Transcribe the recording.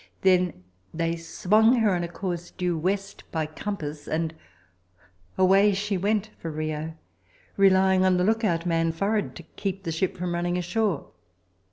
Then they swung her on a course due west by compass, and away she went for Rio, relying on the lookout man forward to keep the ship from running ashore.